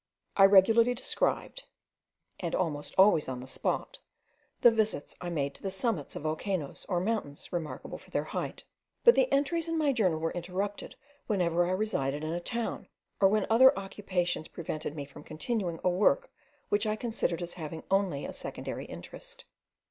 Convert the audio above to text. I regularly described (and almost always on the spot) the visits I made to the summits of volcanoes, or mountains remarkable for their height; but the entries in my journal were interrupted whenever I resided in a town, or when other occupations prevented me from continuing a work which I considered as having only a secondary interest.